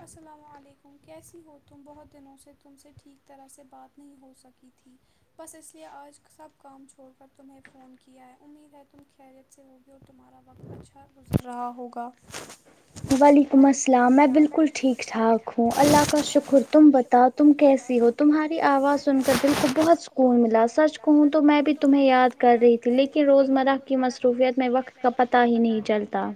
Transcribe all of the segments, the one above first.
السلام و علیکم کیسی ہو تم بہت دنوں سے تم سے ٹھیک طرح سے بات نہیں ہو سکی تھی بس اس لیے آج سب کام چھوڑ کر تمہیں فون کیا ہے امید ہے تم کیریت سے ہوگی اور تمہارا وقت اچھا گزر رہا ہوگا وعلیکم السلام میں بالکل ٹھیک ٹھاک ہوں اللہ کا شکر تم بتاؤ تم کیسی ہو تمہاری آواز سن کر دل کو بہت سک کون ملا سچ کہوں تو میں بھی تمہیں یاد کر رہی تھی لیکن روزمرہ کی مصروفیت میں وقت اس کا پتاہ ہی نہیں چلتا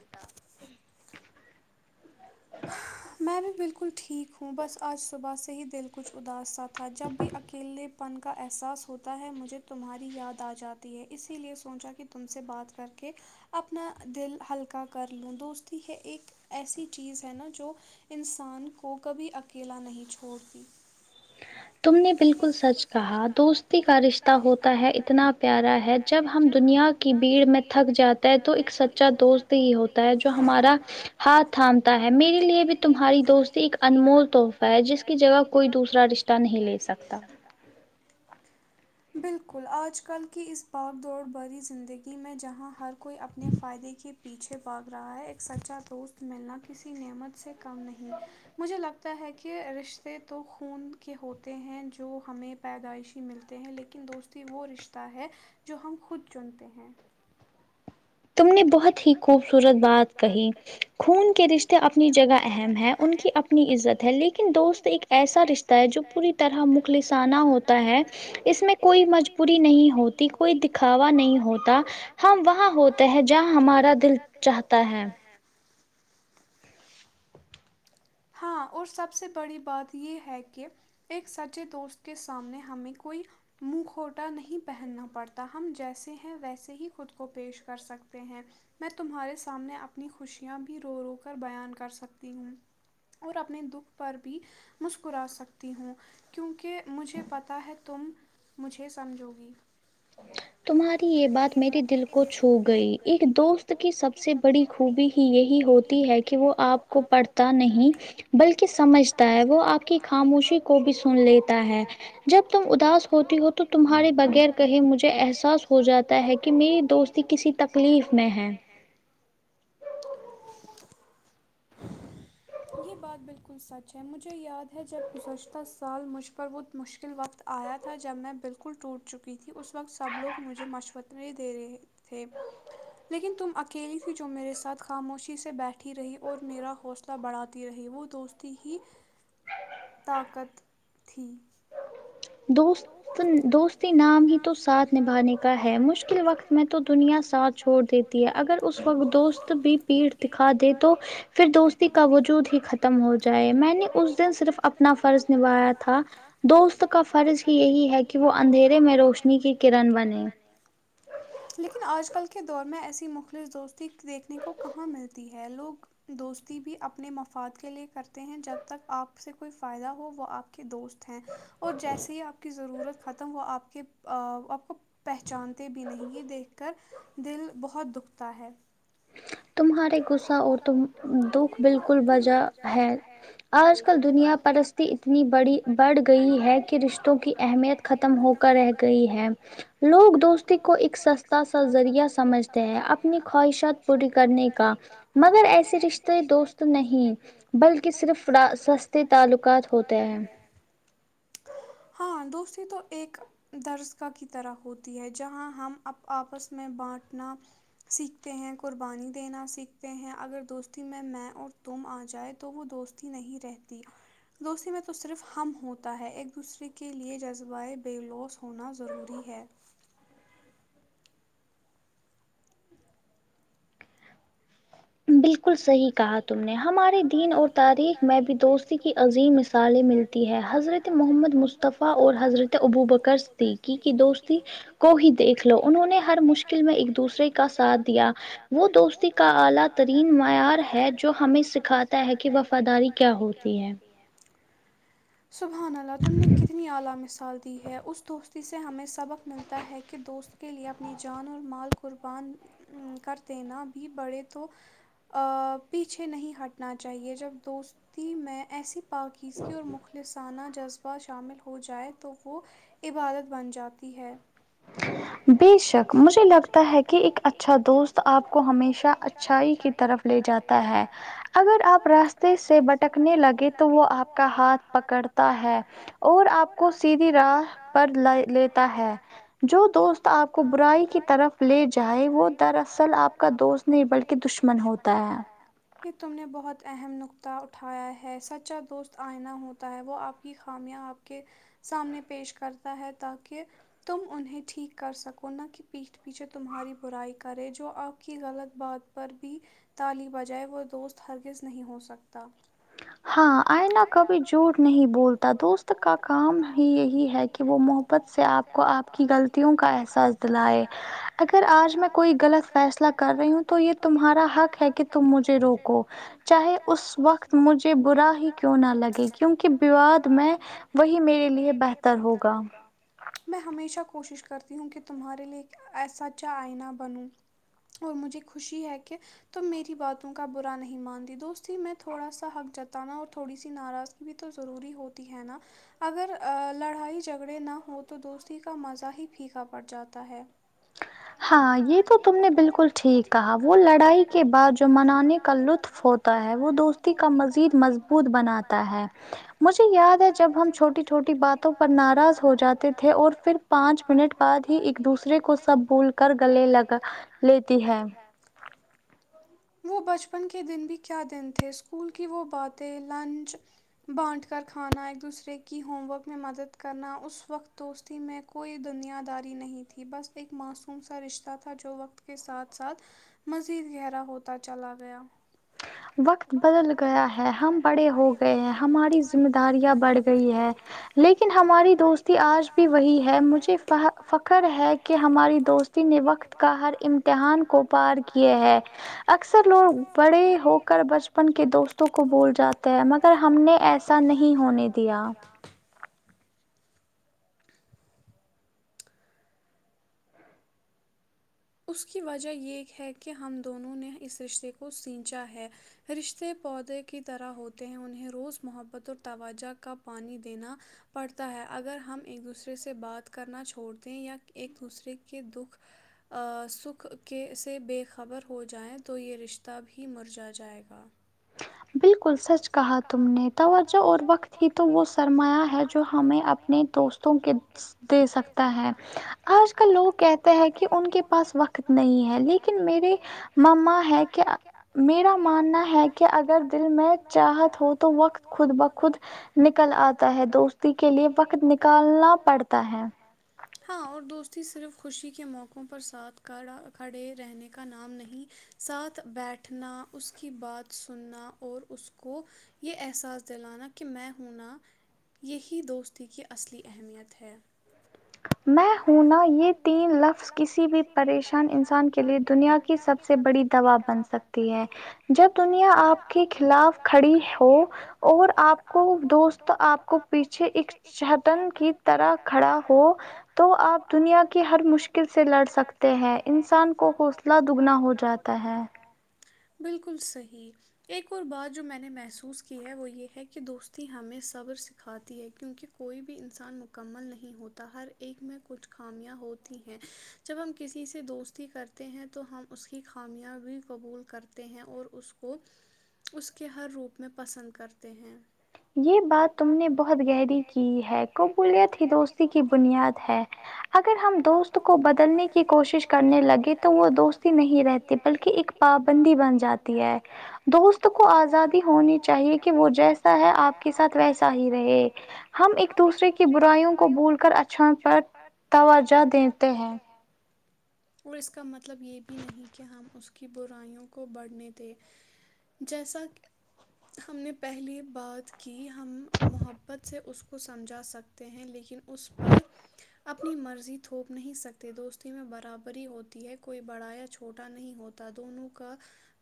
میں بھی بالکل ٹھیک ہوں بس آج صبح سے ہی دل کچھ اداس س تھا جب بھی اکیلے پن کا احساس ہوتا ہے مجھے تمہاری یاد آ جاتی ہے اسی لیے سوچا کہ تم سے بات کر کے اپنا دل ہلکا کر لوں دوستی ہے ایک ایسی چیز ہے نا جو انسان کو کبھی اکیلا نہیں چھوڑتی تم نے بالکل سچ کہا دوستی کا رشتہ ہوتا ہے اتنا پیارا ہے جب ہم دنیا کی بھیڑ میں تھک جاتا ہے تو ایک سچا دوست ہی ہوتا ہے جو ہمارا ہات تھامتا تا ہے میرے لیے بھی تمہاری دوستی ایک انمول تحفہ ہے جس کی جگہ کوئی دوسرا رشہ تا نہیں لے سکتا بالکل آج کل کی اس باغ دوڑ بھری زندگی میں جہاں ہر کوئی اپنے فائدے کے پیچھے باگ رہا ہے ایک سچا دوست ملنا تو کسی نعمت سے کم نہیں مجھے لگتا ہے کہ رشتے تو خون کے ہوتے ہیں جو ہمیں پیدائشی ملتے ہیں لیکن دوستی وہ رشتہ ہے جو ہم خود چنتے ہیں تم نے بہت ہی خوبصورت بات کہی خون کے رشتے اپنی جگہ اہم ہے ان کی اپ اپنی عزت ہے لیکن دوست ایک ایسا رشتہ ہاپوری طرح مخلسانہ ہوتا ہے اس میں کوئی مجبوری نہیں ہوتی کوئی دکھاوا نہیں ہوتا ہم وہاں ہوتے ہیں تہجہ جہا ہمارا دل چاہتا ہے ہاں اور سب سے بڑی بات یہ ہے کہ ایک سچے دوست کے سامنے ہمیں کوئی منہ کھوٹا نہیں پہننا پڑتا ہم جیسے ہیں ویسے ہی خود کو پیش کر سکتے ہیں میں تمہارے سامنے اپنی خوشیاں بھی رو رو کر بیان کر سکتی ہوں اور اپنے دکھ پر بھی مسکرا سکتی ہوں کیونکہ مجھے پتہ ہے تم مجھے سمجھو گی تمہاری یہ بات میری دل کو چھو گئی ایک دوست کی سب سے بڑی خوبی ہی یہی ہوتی ہے کہ وہ آپ کو پڑھتا نہ یں بلکہ سمجھتا ہے وہ آپ کی خاموشی کو بھی سن لیتا ہے جب تم اداس ہوتی ہو تو تمہارے بغیر اگر کہیں مجھے احساس ہو جاتا ہے کہ میری دوستی کسی تکلیف میں ہے یہ بات بالکل سچ ہے مجھے یاد ہے جب گزشتہ سال مجھ پر بہت مشکل وقت آیا تھا جب میں بالکل ٹوٹ چکی تھی اس وقت سب لوگ مجھے مشوترے دے رہے تھے تھپ لیکن تم اکیلی تھی جو میرے ساتھ خاموشی سے بیٹھی رہی اور میرا حوصلہ بڑھا تی رہی وہ دوستی ہی طاقت تھی دوست دوستی نام ہی تو ساتھ نبھانے کا ہے مشکل وقت میں تو دنیا ساتھ چھوڑ دیتی ہے اگر اس وقت دوست بھی پیٹھ دکھا دے تو پھر دوستی کا وجود ہی خ تم ہو جائے میں نے اس دن صرف اپنا فرض نبایا تھا دوست کا کا فرض یہی ہے کہ وہ اندھیریے میں روشنی کی کرن بنے لیکن آج کل کے دور میں ایسی مخلص دوستی دیکھنے کو کہاں ملتی ہے لوگ دوستی بھی اپنے مفاد کے لیے کرتے ہیں جب تک آپ سے کوئی فائدہ ہو وہ آپ کہ دوست ہیں اور جیسے ضرورت ختم وہ آپ کے ا آپ کو پہچانتے بھی نہیں یہ دیکھ کر دل بہت دکھتا ہے تمہارے غصہ اور تم دکھ بالکل بجا ہے آج کل دنیا پرست اتنی بڑی بڑھ گئی ہے کہ رشتوں کی اہمیت ختم ہو کر رہ گئی ہے لوگ دوستی کو ایک سستا سا ذریعہ سمجھتے ہیں اپنی خواہشات پوری کرنےکا مگر ایسے رشتے دوست نہیں بلکہ صرف ف سستے سستے تعلقات ہوتے ہیں ہاں دوستی تو ایک درس گاہ کی طرح ہوتی ہے جہاں ہم اب آپس میں بانٹنا سیکھتے ہیں قر بانی دینا سیکھتے ہیں اگر دوستی میں میں اور تم آ جائے تو وہ دوستی نہیں رہتی دوستی میں تو صرف ہم ہوتا ہے ایک دوسرے کے لیے جذبہ بےلوز ہونا ضروری ہے بالکل صحیح کہا تم نے ہمارے دین اور تاریخ میں بھی دوستی کی عظیم مث الیں ملتی ہے حضرت محمد مصطفی اور حضرت ابوبکرصدیقی کی دوستی کو ہی دیکھ لو انہوں نے ہر مشکل میں ایک دوسرے کا ساتھ دیا وہ دوستی کا اعلی ترین تین معیار ہے جو ہمیں سکھاتا ہے کہ وفاداری کیا ہوتی ہے سبحان اللہ تم نے کتنی اعلی مثال دی ہے اس دوستی سے ہمیں سبق ملتا ہے کہ دوست کے لیے اپنی جان اور مال قربان ں کر دینا بھی پڑے تو ا پیچھے نہیں ہٹنا چاہیے جب دوستی میں ایسی پاکیزگی اور مخلصانہ جذ بہ شامل ہو جائے تو وہ عبادت بن جاتی ہے [inaudible] بے شک مجھے لگتا ہے کہ ایک اچھا دوست آپ کو ہمیشہ اچھائی کی طرف لے جاتا ہے اگر آپ راستے سے بٹکنے لگے تو وہ آپ کا ہاتھ پکڑ ٹا ہے اور آپ کو سیدھی راہ پر ل لیتا ہے جو دوست آپ کو برائی کی طرف لے جائے وہ دراصل آپ کا دوست نہیں بلکہ دشمن من ہوتا ہے کہ تم نے بہت اہم نقطہ اٹھایا ہے سچا دوست آئنیہ ہوتا ہے وہ آپ کی خامیاں آپ کے سامنے پیش کرتا ہے تاکہ تم انہیں ٹھیک کر سکو نہ کہ پیٹھ پیچھے تمہاری برائی کرے جو آپ کی غلط بات پر بھی تالی بجائے وہ دوست ہرگز نہیں ہو سکتا ہاں آئینہ کبھی جھوٹ نہیں بولتا دوست کا کام ہی یہی ہے کہ وہ محبت سے آپ کو آپ کی غلطیوں کا احساس دلائے اگر آج میں کوئی غلط فیصلہ کر رہی ہوں تو یہ تمہارا حق ہے کہ تم مجھے روکو چاہے اس وقت مجھے ب برا ہی کیوں نہ لگے کیونکہ بعد میں وہ ہھی میرے لیے بہتر ہوگا میں ہمیشہ کوشش کرتی ہوں کہ تمہارے لیے ایک ایسا اچھا آئینہ بنوں اور مجھے خوشی ہے کہ تم میری باتوں کا برا نہیں مانتی دوستی میں تھوڑا سا حق جات انا اور تھوڑی سی ناراضگی بھی تو ضروری ہوتی ہے نا اگر ا لڑائی جھگڑے نہ ہووں تو دوستی کا مزہ ہی پھیکا پڑ جاتا ہے [inaudible] ہاں یہ تو تم نے بالکل ٹھیک کہا وہ لڑائی کے بعد جو منانے کا لطف ہو تا ہے وہ دوستی کا مزید مضبوط بناتا ہے مجھے یاد ہے جب ہم چھوٹی چھوٹی باتوں پر ناراض ہو جاتے تھے اور پھر پانچ منٹ بعد ہی ایک دوسرے کو سب بھول کر گلے لگا لیتی ہے وہ بچپن کے دن بھی کیا دن تھے اسکول کی وہ باتیں لنچ بانٹ کر کھانا ایک دوسرے کی ہوم ورک میں مدد کرنا اس وقت دوست میں کوئی دنیاداری نہیں تھی بس ایک معصوم سہ رشتہ تھا جو وقت کے ساتھ ساتھ مزید گہرا ہوتا چلا گیا وقت بدل گیا ہے ہم بڑے ہو گئے ہیں ہماری ذمہ داریاں بڑھ گئی ہے لیکن ہماری دوست آج بھی وہی ہے مجھے فخر ہے کہ ہماری دوستی نے وقت کا ہر ام امتحان کو پار کیا ہیں اکثر لوگ بڑے ہو کر بچپن کے دوستوں کو بھول جاتے ہیں مگر ہم نے ایسا نہیں ہونے دیا اس کی وجہ یہ ہے کہ ہم دونوں نے اس رشتے کو سینچا ہے رشتے پودے کی طرح ہوتے ہیں انہیں روز محبت اور توجہ کا پانی دینا پڑتا ہے اگر ہم ایک دوسرے سے بات کرنا چھوڑ دیں یا ایک دوسرے کے دکھ سکھ کے سے بے خبر ہو جائیں تو یہ رشتہ بھی مرجھا جائے گا بالکل سچ کہا تم نے توجہ اور وقت ہی تو وہ سرمایہ ہے جو ہمیں اپنے دوست کے دے سکتا ہے آج کل لوگ کہتے ہیں کہ ان کے پاس وقت نہیں ہے لیکن میرے مما ہے کہ میرا ماننا ہے کہ ا اگر دل میں چاہت ہو تو وقت خود بخود نکل آتا ہے دوست تی کے لیے وقت نکالنا پڑتا ہے ہاں اور دوستی صرف خوشی کے موقع اپر ساتھ کھاڑا کھڑے رہنے کا نام نہیں ہے ساتھ بیٹھنا اس کی بات سننا اور اس کو یہ احساس دلانا کہ میں ہوں نا یہی دوستی کی اصلی اہمیت ہے میں ہوں نا یہ تین لفظ کسی بھی پریشان انسان کے لیے دنیا کی سب سے بڑی دوا بن سکتی ہے جب دنیا آپ کے خلاف کھڑی ہو اور آپ کو دوست آپ کو پیچھے ایک چٹن کی طرح کھڑا ہو تو آپ دنیا کے ہر مشکل سے لڑ سکتے ہیں انسان کو حوصلہ دگنا ہو جاتا ہے بالکل صحیح ایک اور بات جو میں نے محسوس کی ہے وہ یہ ہے کہ دوستی ہمیں صبر سکھاتی ہے کیونکہ کوئی بھی انسان مکمل نہیں ہوتا ہر ایک میں کچھ خامیاں ہوتی ہیں جب ہم کسی سے دوستی کرتے ہیں تو ہم اس کی خامیاں بھی قبول کرتے ہیں اور اس کو اس کے ہر روپ میں پسند کرتے ہیں یہ بات تم نے بہت گہری کی ہے قبولیت ہی دوستی کی بنیاد ہے اگر ہم دوست کو ب بدلنے کی کوشش کرنے لگے تو وہ دوستی نہیں رہتی بلکہ ایک پابندی بن جاتی ہے دوست کو آزادی ہونی چاہیے کہ وہ جیسے ہے آپ کے ساتھ ویسا ہی رہے ہم ایک دوسرے کی برائیوں کو بھول کر اچھا پر توجہ دیتے ہیں اور اس کا مطلب یہ بھی نہیں کہ ہم اس کی برائیوں کو بڑھنے دیں جیسا ہم نے پہلی بات کی ہم محبت سے اس کو سمجھا سکتے ہیں لیکن اس پر اپنی مرضی تھوپ نہیں سکتے دوستی میں برابری ہوتی ہے کوئی بڑا یا چھوٹا نہیں ہوتا دونوں کا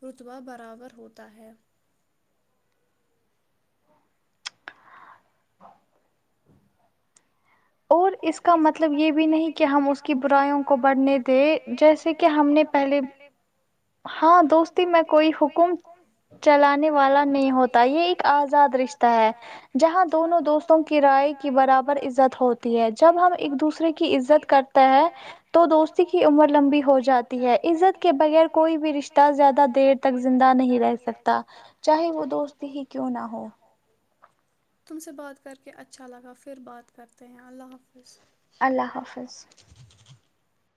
رتبہ برابر ہوتا ہے اور اس کا مطلب یہ بھی نہیں کہ ہم اس کی برائیوں کو بڑھنے دیں جیسے کہ ہم نے پہلے ہاں دوستی میں کوئی حکم چلانے والا نہیں ہوتا یہ ایک آزاد رشتہ ہے جہاں دونوں دوستوں کی کرائے کی برابر عزت ہوتی ہے جب ہم ایک دوسرے کی عزت کرتے ہے تو دوستی کی عمر لمبی ہو جاتی تی ہے عزت کے بغیر کوئی بھی رشتہ زیادہ دیر تک زندہ نہیں رہ سکتا چاہے وہ دوست ہی کیوں نہ ہو تم سے بات کر کے اچھا لگا پھر بات کرتے ہیں اللہ حافظ اللہ حافظ